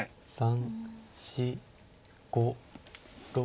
３４５６。